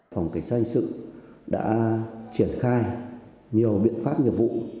phòng kỳ sách hình sự đã triển khai nhiều biện pháp nhiệm vụ